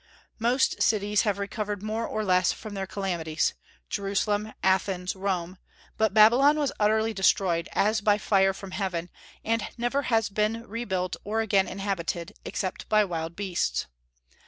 Most cities have recovered more or less from their calamities, Jerusalem, Athens, Rome, but Babylon was utterly destroyed, as by fire from heaven, and never has been rebuilt or again inhabited, except by wild beasts.